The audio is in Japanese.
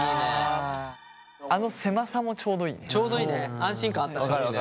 あの狭さもちょうどいいね。